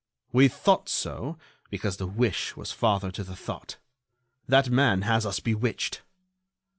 "We thought so, because the wish was father to the thought. That man has us bewitched."